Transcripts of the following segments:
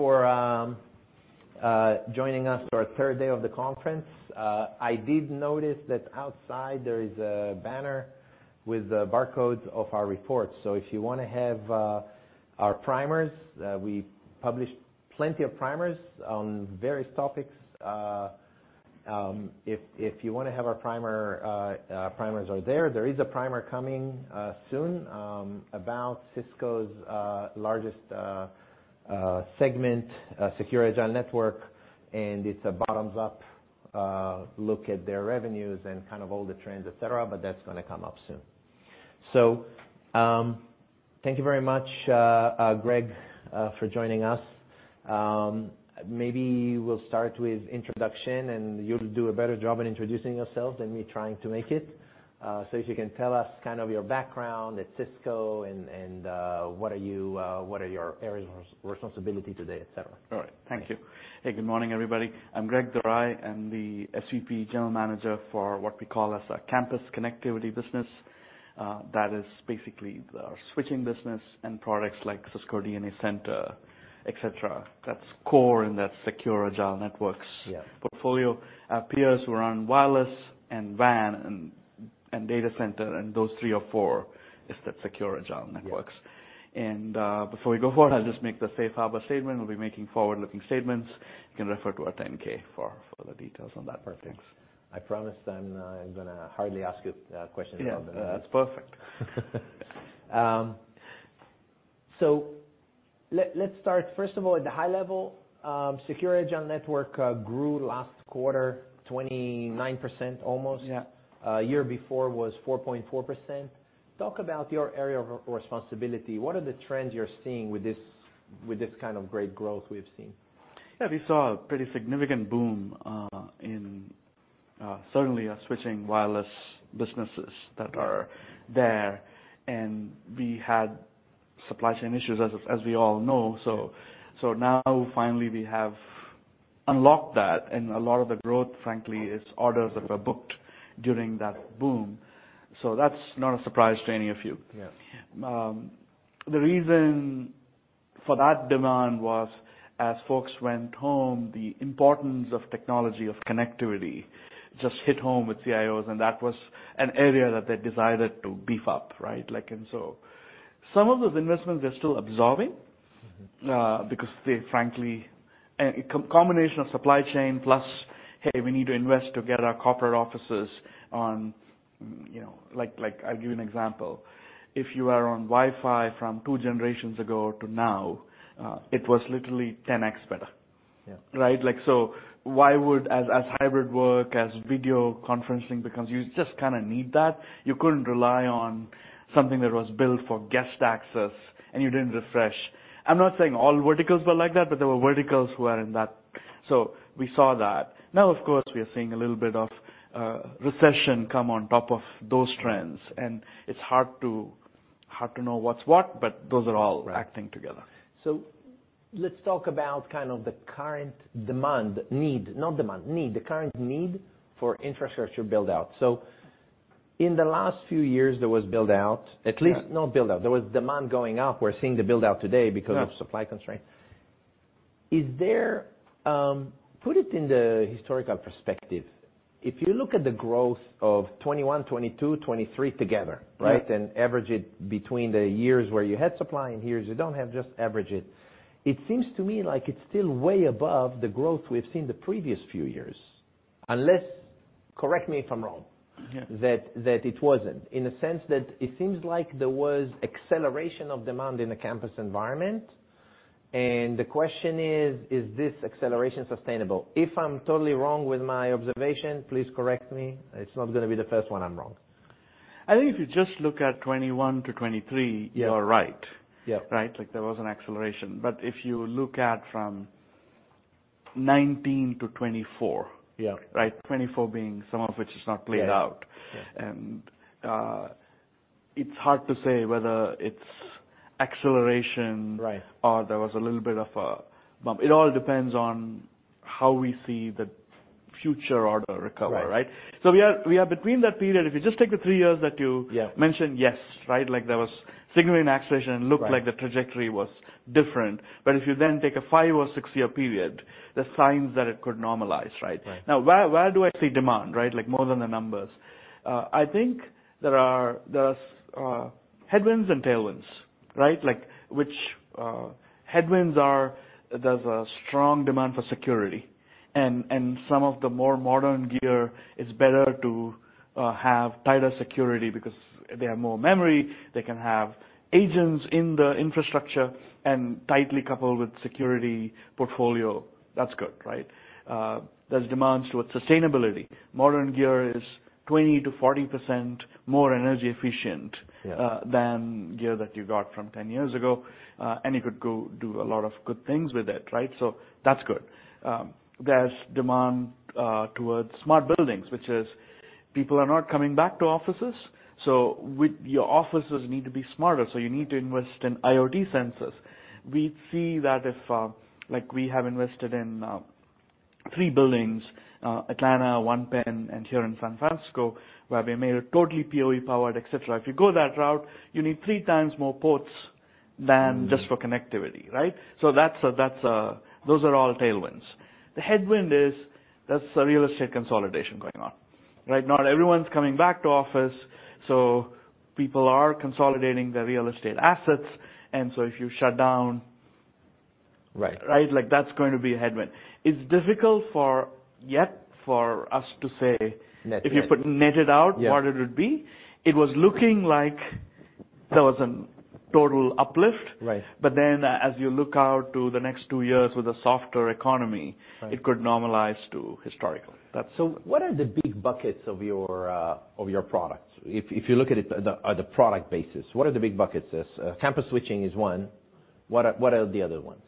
Thank you very much for joining us for our third day of the conference. I did notice that outside there is a banner with barcodes of our reports. If you want to have our primers, we published plenty of primers on various topics. If you want to have our primer, primers are there. There is a primer coming soon about Cisco's largest segment, Secure, Agile Networks, and it's a bottoms-up look at their revenues and kind of all the trends, et cetera, but that's gonna come up soon. Thank you very much, Greg, for joining us. Maybe we'll start with introduction, and you'll do a better job in introducing yourself than me trying to make it. If you can tell us kind of your background at Cisco and what are you, what are your areas of responsibility today, et cetera? All right. Thank you. Hey, good morning, everybody. I'm Greg Dorai. I'm the SVP General Manager for what we call as our Campus Connectivity business. That is basically our switching business and products like Cisco DNA Center, et cetera. That's core in that Secure, Agile Networks. Yeah. portfolio. Our peers who are on wireless and WAN and data center, and those three or four is the Secure, Agile Networks. Yeah. Before we go forward, I'll just make the safe harbor statement. We'll be making forward-looking statements. You can refer to our 10-K for the details on that. Perfect. Thanks. I promise then, I'm gonna hardly ask you questions about that. Yeah, that's perfect. Let's start, first of all, at the high level, Secure, Agile Networks grew last quarter, 29%, almost. Yeah. Year before was 4.4%. Talk about your area of responsibility. What are the trends you're seeing with this, with this kind of great growth we've seen? Yeah, we saw a pretty significant boom, in, certainly our switching wireless businesses that are there, and we had supply chain issues, as we all know. Now finally we have unlocked that, and a lot of the growth, frankly, is orders that were booked during that boom. That's not a surprise to any of you. Yes. The reason for that demand was, as folks went home, the importance of technology, of connectivity, just hit home with CIOs, and that was an area that they decided to beef up, right? Like, some of those investments they're still absorbing. Mm-hmm. Because they frankly. A combination of supply chain plus, hey, we need to invest to get our corporate offices on, you know. Like, I'll give you an example. If you are on Wi-Fi from two generations ago to now, it was literally 10x better. Yeah. Right? Like, as hybrid work, as video conferencing becomes, you just kinda need that. You couldn't rely on something that was built for guest access and you didn't refresh. I'm not saying all verticals were like that, but there were verticals who were in that, so we saw that. Of course, we are seeing a little bit of recession come on top of those trends, and it's hard to know what's what, but those are all acting together. Let's talk about kind of the current demand, need, not demand, need, the current need for infrastructure build out. In the last few years, there was build out. Yeah. At least not build out. There was demand going up. We're seeing the build out today. Yeah because of supply constraints. Put it in the historical perspective. If you look at the growth of 2021, 2022, 2023 together, right? Yeah. Average it between the years where you had supply and years you don't have, just average it. It seems to me like it's still way above the growth we've seen the previous few years. Unless, correct me if I'm wrong. Yeah That it wasn't, in the sense that it seems like there was acceleration of demand in the campus environment. The question is: Is this acceleration sustainable? If I'm totally wrong with my observation, please correct me. It's not gonna be the first one I'm wrong. I think if you just look at 2021-2023. Yeah. you are right. Yeah. Right? Like, there was an acceleration. If you look at from 19 to 2024. Yeah. Right? 2024 being some of which is not played out. Yeah. It's hard to say whether it's. Right There was a little bit of a bump. It all depends on how we see the future order recover, right? Right. We are between that period. If you just take the three years Yeah mentioned, yes, right? Like, there was significant acceleration. Right. It looked like the trajectory was different. If you then take a five- or six-year period, there are signs that it could normalize, right? Right. Now, where do I see demand, right? Like, more than the numbers. I think there are, there's headwinds and tailwinds, right? Like, which headwinds are, there's a strong demand for security, and some of the more modern gear is better to have tighter security because they have more memory. They can have agents in the infrastructure and tightly coupled with security portfolio. That's good, right? There's demands towards sustainability. Modern gear is 20% to 40% more energy efficient. Yeah than gear that you got from 10 years ago, and you could go do a lot of good things with it, right? That's good. There's demand towards smart buildings, which is people are not coming back to offices, so your offices need to be smarter, so you need to invest in IoT sensors. We see that if, like we have invested in three buildings, Atlanta, PENN 1, and here in San Francisco, where we made it totally PoE powered, et cetera. If you go that route, you need 3x more ports than. Mm-hmm. Just for connectivity, right. Those are all tailwinds. The headwind is, that's a real estate consolidation going on, right. Not everyone's coming back to office, so people are consolidating their real estate assets. If you shut down. Right. Right? Like, that's going to be a headwind. It's difficult for, yet, for us to say Net, yeah. If you put net it out. Yeah. what it would be. It was looking like there was a total uplift. Right. As you look out to the next two years with a softer economy. Right it could normalize to historical. What are the big buckets of your, of your products? If you look at it at the product basis, what are the big buckets? Campus switching is one. What are the other ones?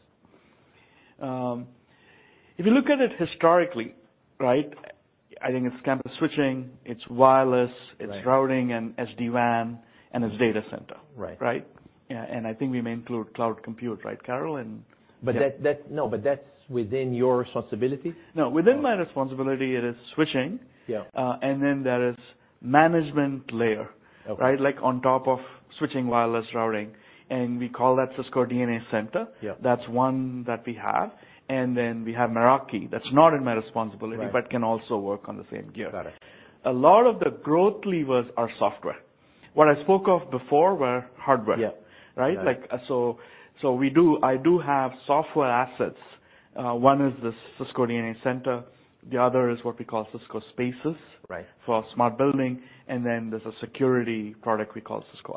If you look at it historically, right? I think it's campus switching, it's wireless. Right. It's routing, and SD-WAN, and it's data center. Right. Right? I think we may include cloud compute, right, Carol? Yeah. No, that's within your responsibility? No, within my responsibility, it is switching. Yeah. There is management layer. Okay. Right? Like, on top of switching, wireless, routing, and we call that Cisco DNA Center. Yeah. That's one that we have, and then we have Meraki. That's not in my responsibility. Right but can also work on the same gear. Got it. A lot of the growth levers are software. What I spoke of before were hardware. Yeah. Right? Yeah. I do have software assets. One is the Cisco DNA Center, the other is what we call Cisco Spaces. Right. For our smart building, there's a security product we call Cisco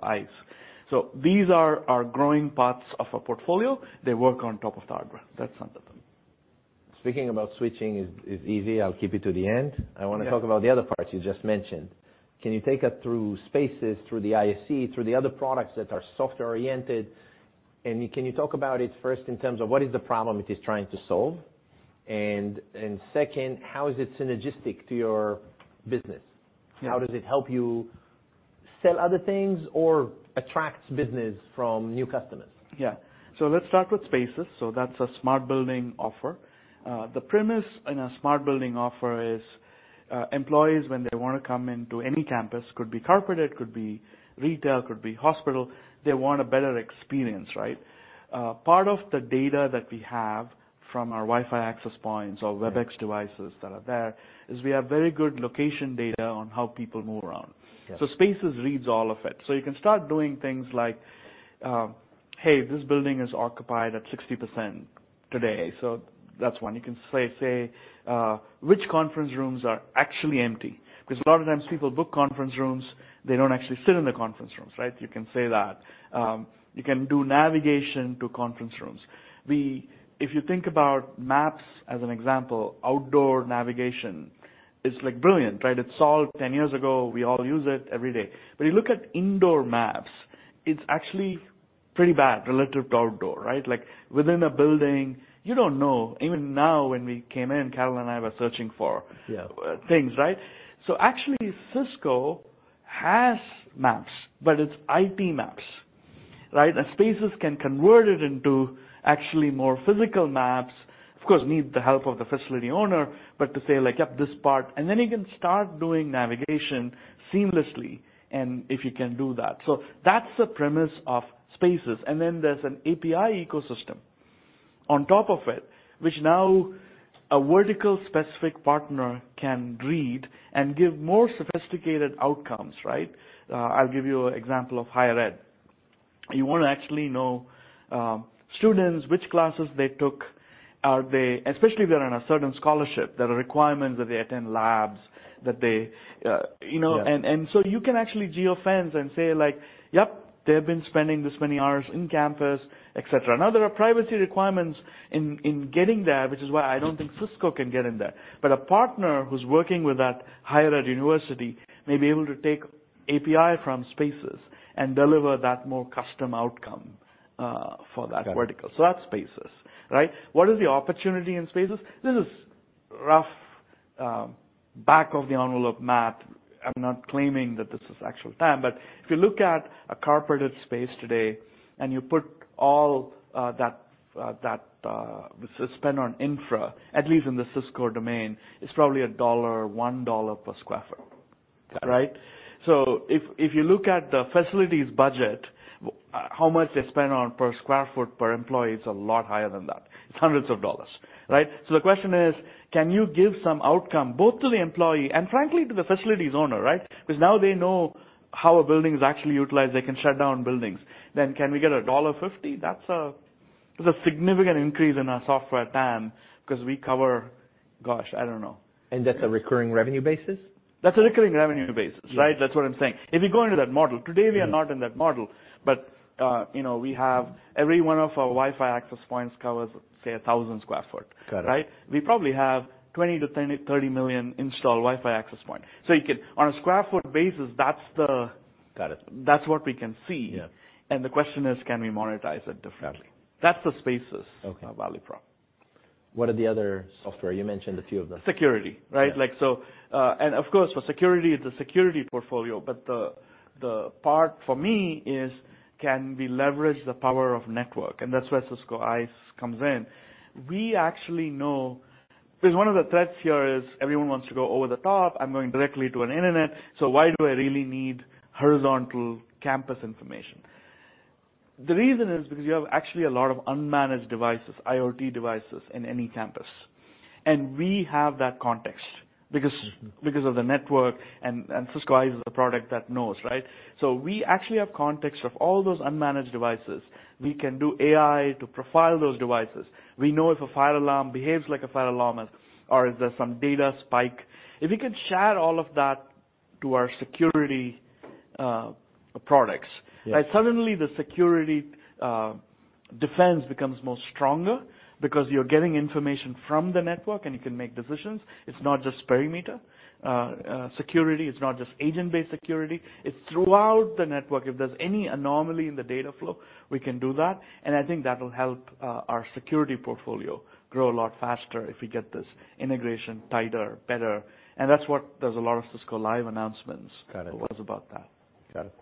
ISE. These are our growing parts of our portfolio. They work on top of our hardware. That's some of them. Speaking about switching is easy. I'll keep it to the end. Yeah. I wanna talk about the other parts you just mentioned. Can you take us through Cisco Spaces, through the Cisco ISE, through the other products that are software-oriented, and can you talk about it first in terms of what is the problem it is trying to solve? Second, how is it synergistic to your business? Yeah. How does it help you sell other things or attracts business from new customers? Let's start with Spaces. That's a smart building offer. The premise in a smart building offer is, employees, when they wanna come into any campus, could be corporate, it could be retail, could be hospital, they want a better experience, right? Part of the data that we have from our Wi-Fi access points or Webex devices that are there, is we have very good location data on how people move around. Yes. Cisco Spaces reads all of it. You can start doing things like, "Hey, this building is occupied at 60% today." That's one. You can say which conference rooms are actually empty, because a lot of times people book conference rooms, they don't actually sit in the conference rooms, right? You can say that. You can do navigation to conference rooms. If you think about maps as an example, outdoor navigation, it's like brilliant, right? It's solved 10 years ago. We all use it every day. You look at indoor maps, it's actually pretty bad relative to outdoor, right? Like, within a building, you don't know. Even now, when we came in, Carol and I were searching. Yeah Things, right? Actually, Cisco has maps, but it's IT maps, right? Spaces can convert it into actually more physical maps. Of course, need the help of the facility owner, but to say like, "Yep, this part." Then you can start doing navigation seamlessly, and if you can do that. That's the premise of Spaces. Then there's an API ecosystem on top of it, which now a vertical specific partner can read and give more sophisticated outcomes, right? I'll give you an example of higher ed. You wanna actually know, students, which classes they took, Especially if they're on a certain scholarship, there are requirements that they attend labs, that they, you know. Yes. You can actually geofence and say, like Yep, they have been spending this many hours in campus, et cetera. There are privacy requirements in getting there, which is why I don't think Cisco can get in there. A partner who's working with that higher ed university may be able to take API from Spaces and deliver that more custom outcome for that vertical. Got it. That's Spaces, right? What is the opportunity in Spaces? This is rough, back of the envelope math. I'm not claiming that this is actual time, but if you look at a carpeted space today, and you put all that spend on infra, at least in the Cisco domain, it's probably $1 per sq ft. Got it. Right? If, if you look at the facilities budget, how much they spend on per square foot per employee, it's a lot higher than that. It's hundreds of dollars, right? The question is: Can you give some outcome, both to the employee and frankly, to the facilities owner, right? Because now they know how a building is actually utilized, they can shut down buildings. Can we get $1.50? That's a significant increase in our software TAM, 'cause we cover. Gosh, I don't know. That's a recurring revenue basis? That's a recurring revenue basis. Yeah. Right? That's what I'm saying. If you go into that model, today we are not in that model, but, you know, we have every one of our Wi-Fi access points covers, say, 1,000 sq ft. Got it. Right? We probably have $20 million to $30 million installed Wi-Fi access point. On a sq ft basis, that's the Got it. That's what we can see. Yeah. The question is: Can we monetize it differently? Got it. That's the Spaces. Okay value prop. What are the other software? You mentioned a few of them. Security, right? Yeah. Of course, for security, it's a security portfolio, but the part for me is, can we leverage the power of network? That's where Cisco ISE comes in. Because one of the threats here is everyone wants to go over the top. I'm going directly to an internet, so why do I really need horizontal campus information? The reason is because you have actually a lot of unmanaged devices, IoT devices in any campus, and we have that context because of the network, and Cisco is a product that knows, right? We actually have context of all those unmanaged devices. We can do AI to profile those devices. We know if a fire alarm behaves like a fire alarm, or if there's some data spike. If we can share all of that to our security products. Yeah. suddenly the security, defense becomes more stronger because you're getting information from the network, and you can make decisions. It's not just perimeter, security, it's not just agent-based security, it's throughout the network. If there's any anomaly in the data flow, we can do that, and I think that will help, our security portfolio grow a lot faster if we get this integration tighter, better. That's what there's a lot of Cisco Live announcements. Got it. It was about that. Got it.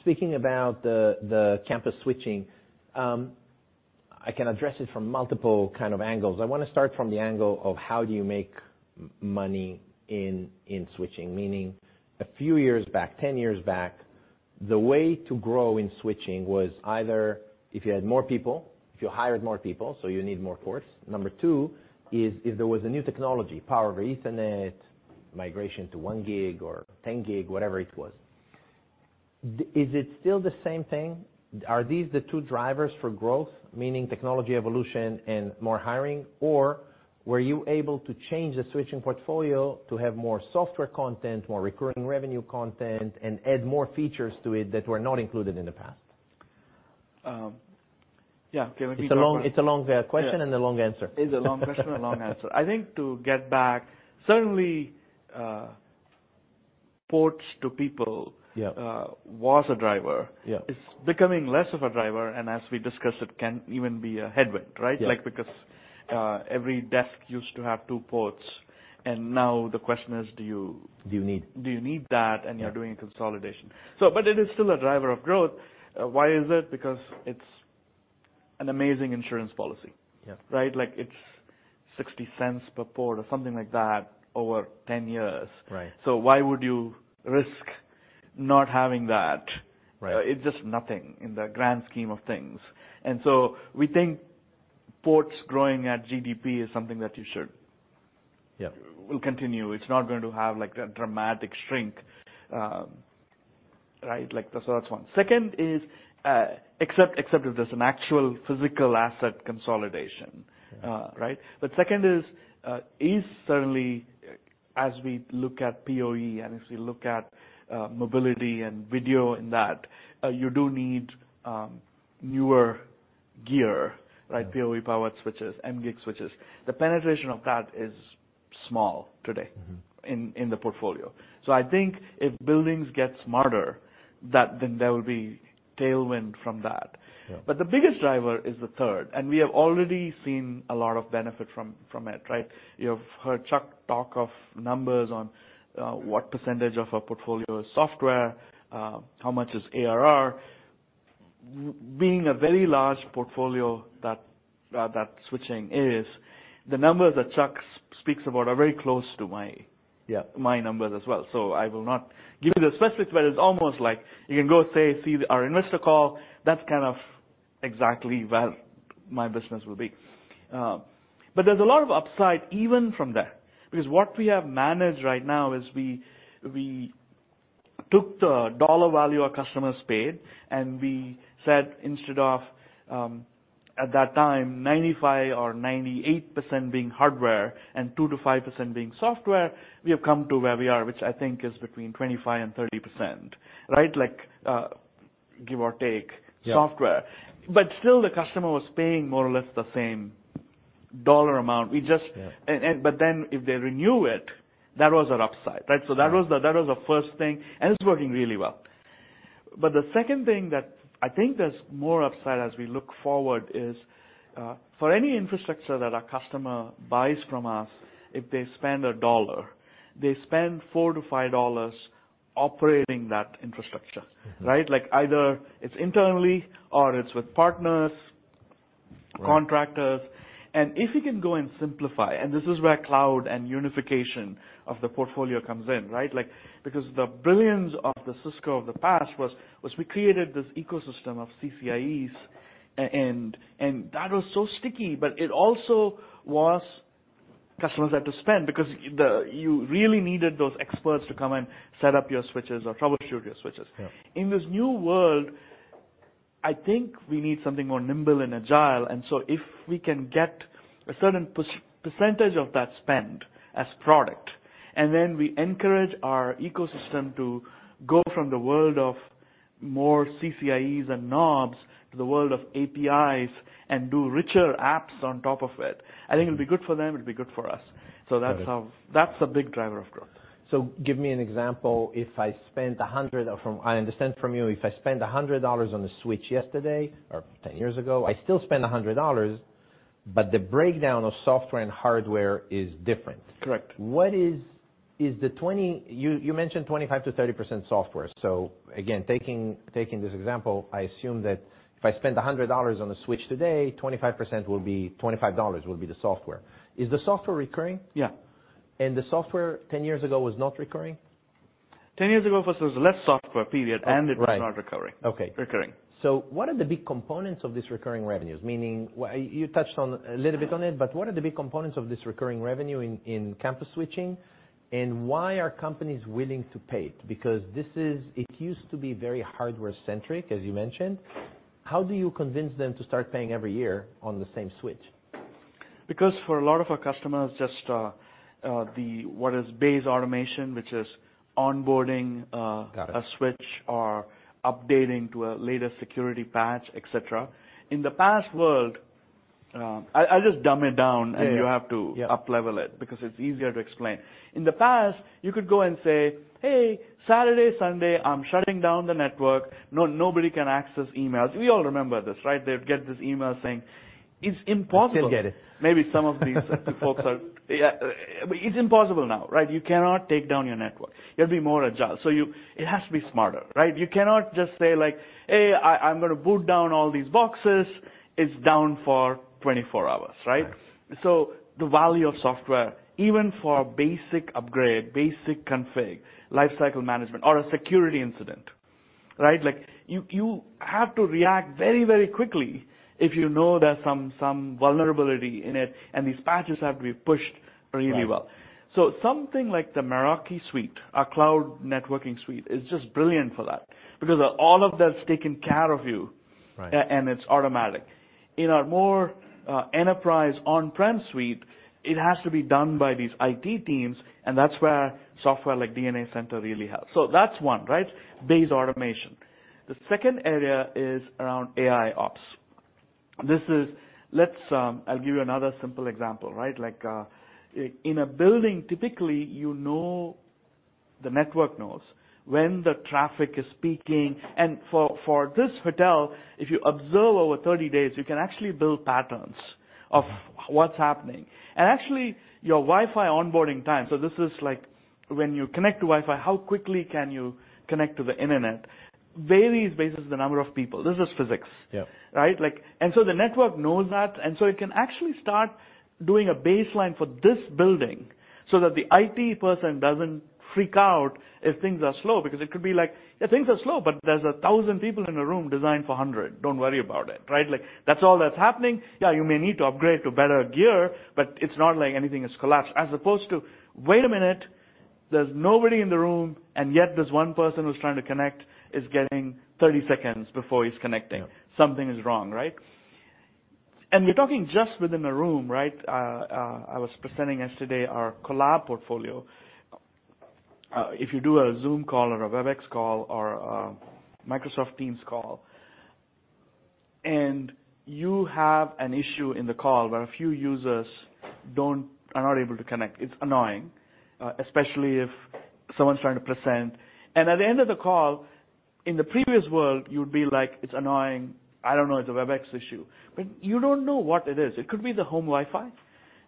Speaking about the campus switching, I can address it from multiple kind of angles. I wanna start from the angle of how do you make money in switching? Meaning, a few years back, 10 years back, the way to grow in switching was either if you had more people, if you hired more people, so you need more ports. Number two is if there was a new technology, Power over Ethernet, migration to 1 gig or 10 gig, whatever it was. Is it still the same thing? Are these the two drivers for growth, meaning technology, evolution, and more hiring? Or were you able to change the switching portfolio to have more software content, more recurring revenue content, and add more features to it that were not included in the past? yeah. Can we. It's a long question. Yeah. A long answer. It's a long question, a long answer. I think to get back, certainly, ports to people. Yeah Was a driver. Yeah. It's becoming less of a driver, and as we discussed, it can even be a headwind, right? Yeah. Like, because, every desk used to have two ports, and now the question is? Do you need? Do you need that? Yeah. You're doing a consolidation. It is still a driver of growth. Why is it? Because it's an amazing insurance policy. Yeah. Right? Like it's $0.60 per port or something like that over 10 years. Right. Why would you risk not having that? Right. It's just nothing in the grand scheme of things. We think ports growing at GDP is something that you should. Yeah Will continue. It's not going to have like a dramatic shrink, right? Like, that's one. Second is, except if there's an actual physical asset consolidation, right? Mm-hmm. Second is certainly, as we look at PoE and as we look at, mobility and video in that, you do need, newer gear, right? Yeah. PoE powered switches, mGig switches. The penetration of that is small today. Mm-hmm In the portfolio. I think if buildings get smarter, that then there will be tailwind from that. Yeah. The biggest driver is the third, and we have already seen a lot of benefit from it, right? You have heard Chuck talk of numbers on, what percentage of our portfolio is software, how much is ARR. Being a very large portfolio that switching is, the numbers that Chuck speaks about are very close to. Yeah My numbers as well. I will not give you the specifics, but it's almost like you can go say, see our investor call, that's kind of exactly where my business will be. There's a lot of upside even from that, because what we have managed right now is we took the dollar value our customers paid, and we said, instead of, at that time, 95% or 98% being hardware and 2%-5% being software, we have come to where we are, which I think is between 25% and 30%, right? Like, give or take. Yeah software. Still the customer was paying more or less the same dollar amount. Yeah. If they renew it, that was our upside, right? Yeah. That was the, that was the first thing, and it's working really well. The second thing that I think there's more upside as we look forward is, for any infrastructure that our customer buys from us, if they spend $1, they spend $4-$5 operating that infrastructure. Mm-hmm. Right? Like, either it's internally or it's with partners. Right Contractors. If we can go and simplify, and this is where cloud and unification of the portfolio comes in, right? Like, because the brilliance of the Cisco of the past was we created this ecosystem of CCIEs, and that was so sticky, but it also was. Customers had to spend because you really needed those experts to come and set up your switches or troubleshoot your switches. Yeah. In this new world, I think we need something more nimble and agile. If we can get a certain percentage of that spend as product, and then we encourage our ecosystem to go from the world of more CCIEs and knobs to the world of APIs and do richer apps on top of it, I think it'll be good for them, it'll be good for us. Got it. That's a big driver of growth. Give me an example: From, I understand from you, if I spent $100 on a switch yesterday or 10 years ago, I still spend $100, but the breakdown of software and hardware is different. Correct. Is the 20, you mentioned 25%-30% software? Again, taking this example, I assume that if I spend $100 on a switch today, $25 will be the software. Is the software recurring? Yeah. The software, 10 years ago, was not recurring? 10 years ago, first there was less software, period, and it was not recurring. Right. Okay. Recurring. What are the big components of this recurring revenues? Meaning, well, you touched on a little bit on it, but what are the big components of this recurring revenue in campus switching, and why are companies willing to pay it? It used to be very hardware centric, as you mentioned. How do you convince them to start paying every year on the same switch? for a lot of our customers, just, the, what is base automation, which is onboarding. Got it. a switch or updating to a later security patch, et cetera. In the past world, I'll just dumb it down. Yeah. You have to uplevel it, because it's easier to explain. In the past, you could go and say, "Hey, Saturday, Sunday, I'm shutting down the network. nobody can access emails." We all remember this, right? They'd get this email saying. It's impossible. We still get it. Maybe some of these folks. Yeah. It's impossible now, right? You cannot take down your network. You have to be more agile. It has to be smarter, right? You cannot just say, like, "Hey, I'm gonna boot down all these boxes." It's down for 24 hours, right? Right. The value of software, even for a basic upgrade, basic config, lifecycle management, or a security incident, right? Like, you have to react very, very quickly if you know there's some vulnerability in it, and these patches have to be pushed really well. Right. something like the Meraki suite, our cloud networking suite, is just brilliant for that because all of that's taken care of. Right And it's automatic. In our more, enterprise on-prem suite, it has to be done by these IT teams, and that's where software like DNA Center really helps. That's one, right? Base automation. The second area is around AIOps. Let's, I'll give you another simple example, right? Like, in a building, typically, you know, the network knows when the traffic is peaking. For this hotel, if you observe over 30 days, you can actually build patterns of what's happening. Actually, your Wi-Fi onboarding time, so this is like when you connect to Wi-Fi, how quickly can you connect to the internet, varies based on the number of people. This is physics. Yeah. Right? Like, the network knows that, and so it can actually start doing a baseline for this building so that the IT person doesn't freak out if things are slow, because it could be like, "Yeah, things are slow, but there's 1,000 people in a room designed for 100. Don't worry about it," right? Like, that's all that's happening. Yeah, you may need to upgrade to better gear, but it's not like anything is collapsed. As opposed to, "Wait a minute, there's nobody in the room, and yet this one person who's trying to connect is getting 30 seconds before he's connecting. Yeah. Something is wrong," right? We're talking just within a room, right? I was presenting yesterday our collab portfolio. If you do a Zoom call or a Webex call or a Microsoft Teams call, and you have an issue in the call where a few users are not able to connect, it's annoying, especially if someone's trying to present. At the end of the call, in the previous world, you would be like, "It's annoying. I don't know, it's a Webex issue." You don't know what it is. It could be the home Wi-Fi,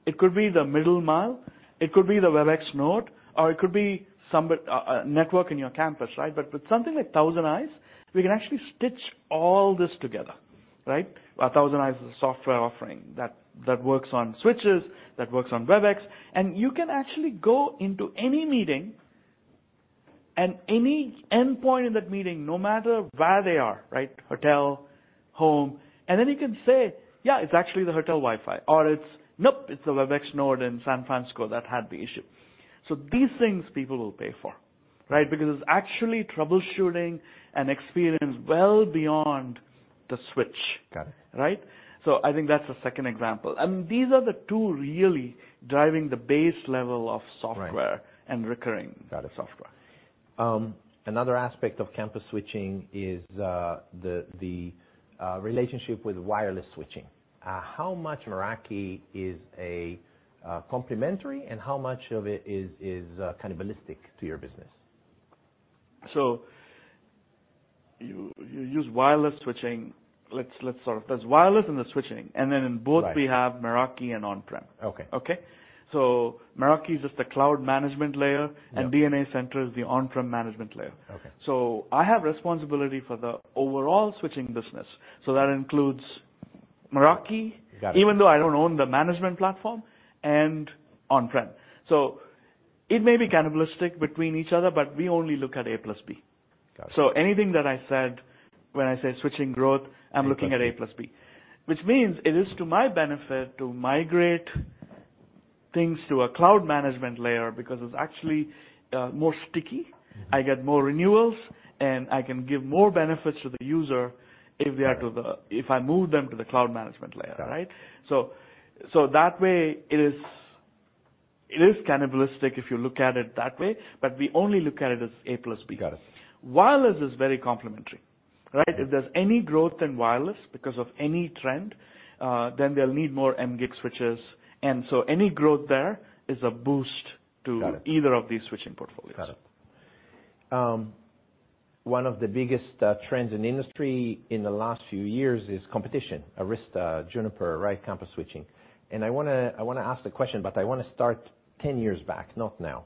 it could be the middle mile, it could be the Webex node, or it could be a network in your campus, right? With something like ThousandEyes, we can actually stitch all this together, right? ThousandEyes is a software offering that works on switches, that works on Webex. You can actually go into any meeting and any endpoint in that meeting, no matter where they are, right, hotel, home. Then you can say, "Yeah, it's actually the hotel Wi-Fi," or it's, "Nope, it's a Webex node in San Francisco that had the issue." These things people will pay for, right? It's actually troubleshooting an experience well beyond the switch. Got it. Right? I think that's the second example. These are the two really driving the base level of software. Right recurring. Got it, software. another aspect of campus switching is, the relationship with wireless switching. how much Meraki is a, complementary, and how much of it is, cannibalistic to your business? You use wireless switching. Let's sort of. There's wireless and the switching, and then in both. Right We have Meraki and OnPrem. Okay. Okay? Meraki is just the cloud management layer. Yeah DNA Center is the on-prem management layer. Okay. I have responsibility for the overall switching business, so that includes Meraki. Got it. Even though I don't own the management platform, and OnPrem. It may be cannibalistic between each other, but we only look at A plus B. Got it. Anything that I said when I say switching growth, I'm looking at A plus B. Which means it is to my benefit to migrate things to a cloud management layer because it's actually more sticky. Mm-hmm. I get more renewals, I can give more benefits to the user if they are to the. Right If I move them to the cloud management layer, right? Right. That way, it is cannibalistic if you look at it that way, but we only look at it as A plus B. Got it. Wireless is very complementary, right? If there's any growth in wireless because of any trend, then they'll need more mGig switches. Any growth there is a boost. Got it. either of these switching portfolios. Got it. One of the biggest trends in the industry in the last few years is competition. Arista, Juniper, right, campus switching. I wanna ask the question, but I wanna start 10 years back, not now.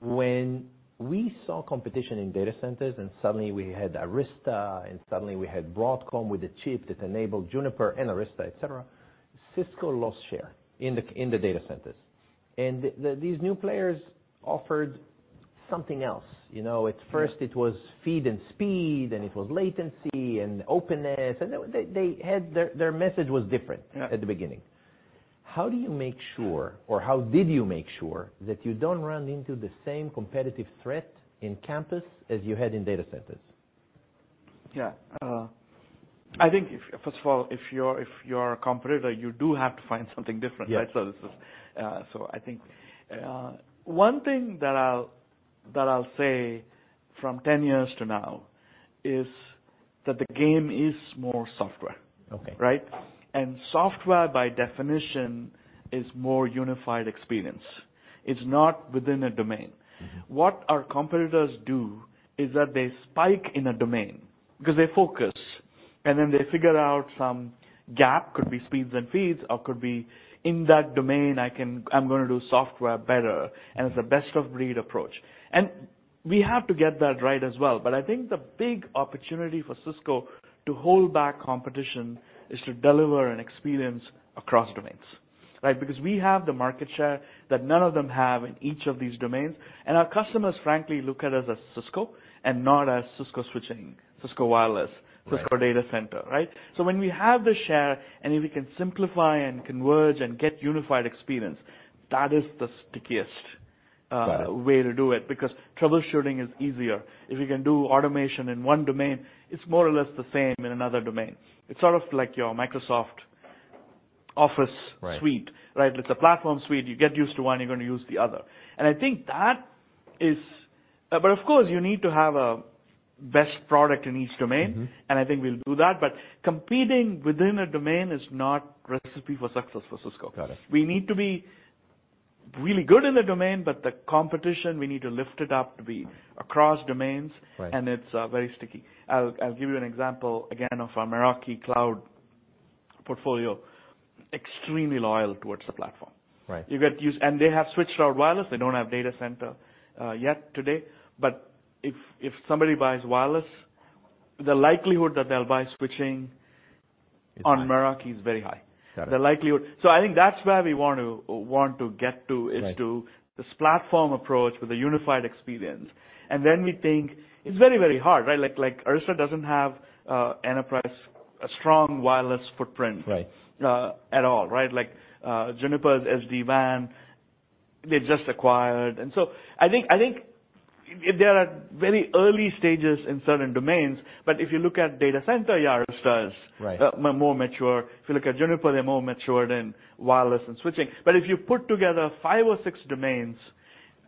When we saw competition in data centers, and suddenly we had Arista, and suddenly we had Broadcom with a chip that enabled Juniper and Arista, et cetera, Cisco lost share in the data centers. These new players offered something else, you know? Yeah. At first it was feed and speed, and it was latency and openness, and they had. Their message was different. Yeah. at the beginning. How do you make sure or how did you make sure that you don't run into the same competitive threat in campus as you had in data centers? Yeah. I think if, first of all, if you're a competitor, you do have to find something different, right? Yeah. This is. I think, one thing that I'll say from 10 years to now is that the game is more software. Okay. Right? Software, by definition, is more unified experience. It's not within a domain. Mm-hmm. What our competitors do is that they spike in a domain because they focus, and then they figure out some gap, could be speeds and feeds, or could be in that domain I'm gonna do software better, and it's a best of breed approach. We have to get that right as well. I think the big opportunity for Cisco to hold back competition is to deliver an experience across domains, right? We have the market share that none of them have in each of these domains, and our customers, frankly, look at us as Cisco and not as Cisco Switching, Cisco Wireless. Right. Cisco Data Center, right? When we have the share, and if we can simplify and converge and get unified experience, that is the stickiest. Got it. way to do it because troubleshooting is easier. If you can do automation in one domain, it's more or less the same in another domain. It's sort of like your Microsoft Office. Right Suite, right? It's a platform suite. You get used to one, you're gonna use the other. I think that is. Of course, you need to have a best product in each domain. Mm-hmm. I think we'll do that, but competing within a domain is not recipe for success for Cisco. Got it. We need to be really good in the domain, but the competition, we need to lift it up to be across domains. Right It's very sticky. I'll give you an example again of our Meraki Cloud portfolio. Extremely loyal towards the platform. Right. You get used. They have switched our wireless. They don't have data center yet today, if somebody buys wireless, the likelihood that they'll buy switching. Is high On Meraki is very high. Got it. The likelihood. I think that's where we want to get to. Right Is to this platform approach with a unified experience. We think it's very, very hard, right? Like Arista doesn't have a strong wireless footprint. Right At all, right? Like, Juniper's SD-WAN, they just acquired. I think they are at very early stages in certain domains, but if you look at data center, yeah, Arista is. Right More mature. If you look at Juniper, they're more mature than wireless and switching. If you put together five or six domains,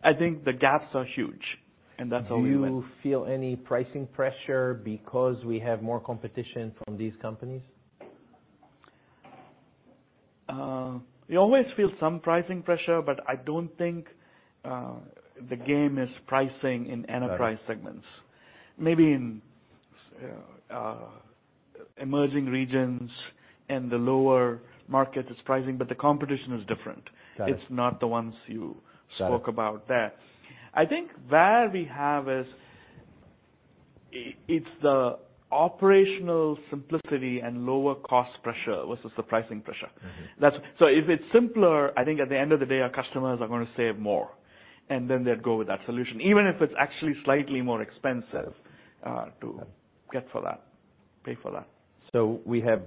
I think the gaps are huge, and that's how we win. Do you feel any pricing pressure because we have more competition from these companies? You always feel some pricing pressure. I don't think the game is pricing in enterprise segments. Got it. Maybe in, emerging regions and the lower markets is pricing, but the competition is different. Got it. It's not the ones. Got it. spoke about there. I think where we have is, it's the operational simplicity and lower cost pressure versus the pricing pressure. Mm-hmm. If it's simpler, I think at the end of the day, our customers are gonna save more. They'd go with that solution, even if it's actually slightly more expensive. Got it. Get for that, pay for that. We have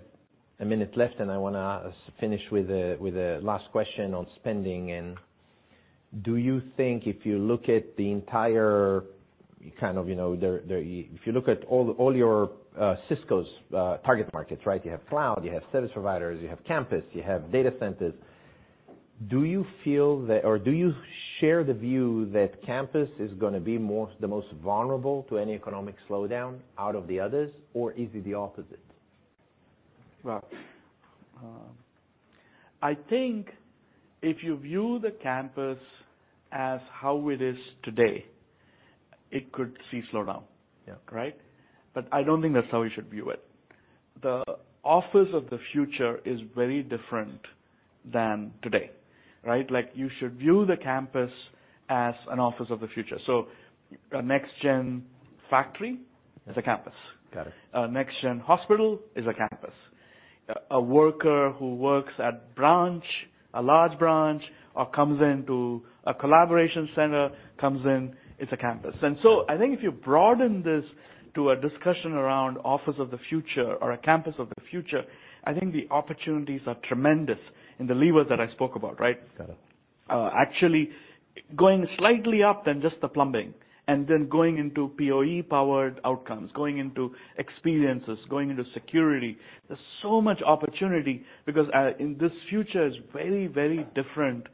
1 minute left, and I wanna ask. Finish with a last question on spending in: Do you think if you look at the entire kind of, you know, the, if you look at all your Cisco's target markets, right? You have cloud, you have service providers, you have campus, you have data centers. Do you feel that or do you share the view that campus is gonna be most, the most vulnerable to any economic slowdown out of the others, or is it the opposite? I think if you view the campus as how it is today, it could see slowdown. Yeah. Right? I don't think that's how we should view it. The office of the future is very different than today, right? Like, you should view the campus as an office of the future. A next-gen factory is a campus. Got it. A next-gen hospital is a campus. A worker who works at a large branch or comes into a collaboration center, comes in, it's a campus. I think if you broaden this to a discussion around office of the future or a campus of the future, I think the opportunities are tremendous in the levers that I spoke about, right? Got it. Actually going slightly up than just the plumbing and then going into PoE-powered outcomes, going into experiences, going into security. There's so much opportunity because in this future is very, very different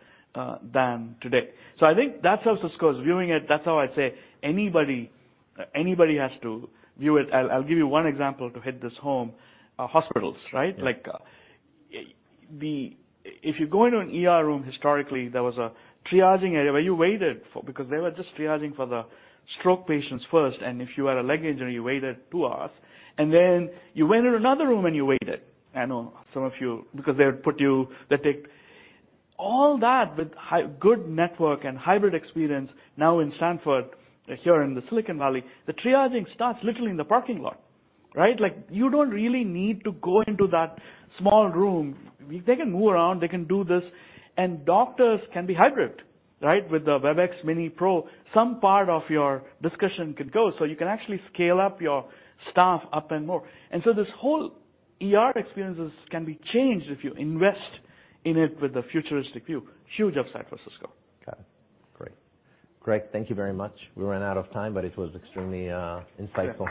than today. I think that's how Cisco is viewing it. That's how I'd say anybody has to view it. I'll give you one example to hit this home. Hospitals, right? Yeah. Like, if you go into an ER room, historically, there was a triaging area where you waited for, because they were just triaging for the stroke patients first. If you had a leg injury, you waited 2 hours. Then you went in another room, and you waited. I know some of you, because they would put you. All that, with good network and hybrid experience now in Stanford, here in the Silicon Valley, the triaging starts literally in the parking lot, right? Like, you don't really need to go into that small room. They can move around, they can do this. Doctors can be hybrid, right? With the Webex Desk Mini, some part of your discussion can go. You can actually scale up your staff up and more. This whole ER experiences can be changed if you invest in it with a futuristic view. Huge upside for Cisco. Got it. Great. Greg, thank you very much. We ran out of time. It was extremely insightful.